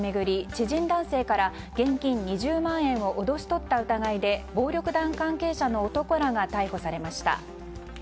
知人男性から現金２０万円を脅し取った疑いで暴力団関係者の男らが逮捕されました。